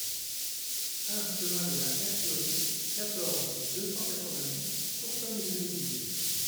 un chemin de la Herquerie, quatorze, deux cent quatre-vingt-dix, Courtonne-les-Deux-Églises